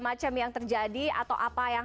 macam yang terjadi atau apa yang